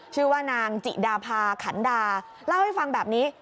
ชื่อว่านางจิดาพาขันดาเล่าให้ฟังแบบนี้